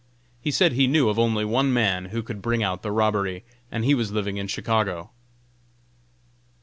He said he knew of only one man who could bring out the robbery, and he was living in Chicago.